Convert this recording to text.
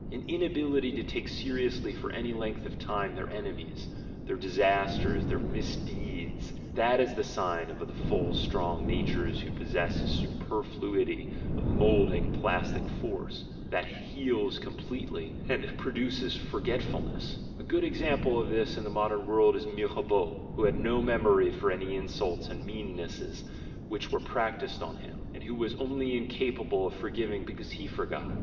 An inability to take seriously for any length of time their enemies, their disasters, their misdeeds— that is the sign of the full strong natures who possess a superfluity of moulding plastic force, that heals completely and pro duces forgetfulness: a good example of this in the modern world is Mirabeau, who had no memory for any insults and meannesses which were practised on him, and who was only incapable of forgiving because he forgot.